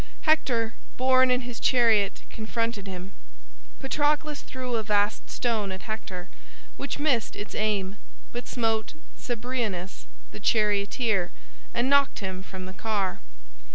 Hector, borne in his chariot, confronted him. Patroclus threw a vast stone at Hector, which missed its aim, but smote Cebriones, the charioteer, and knocked him from the car.